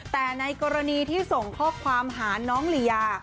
แต่ในกรณีที่ส่งข้อความหาน้องลียา